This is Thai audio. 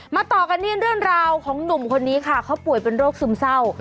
ต่อกันที่เรื่องราวของหนุ่มคนนี้ค่ะเขาป่วยเป็นโรคซึมเศร้า